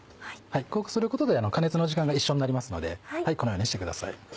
こうすることで加熱の時間が一緒になりますのでこのようにしてください。